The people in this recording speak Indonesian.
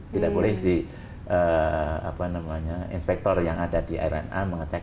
tidak boleh si inspektor yang ada di rna mengecek